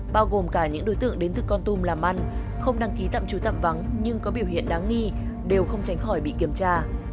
bao gồm cả những đối tượng đến từ con tum làm ăn không đăng ký tạm trú tạm vắng nhưng có biểu hiện đáng nghi đều không tránh khỏi bị kiểm tra